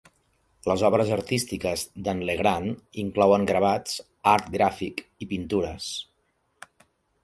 Les obres artístiques de"n Legrand inclouen gravats, art gràfic i pintures.